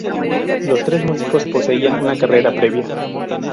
Los tres músicos poseían una carrera previa.